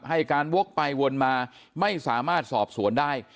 ให้การวกไปวนมาไม่สามารถสอบสวนได้